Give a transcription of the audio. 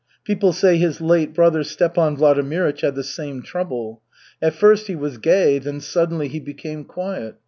People say his late brother, Stepan Vladimirych, had the same trouble. At first he was gay, then suddenly he became quiet.